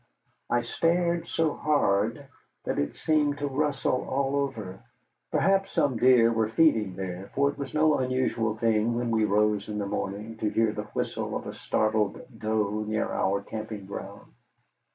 I stared so hard that it seemed to rustle all over. Perhaps some deer were feeding there, for it was no unusual thing, when we rose in the morning, to hear the whistle of a startled doe near our camping ground.